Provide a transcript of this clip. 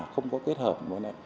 không có kết hợp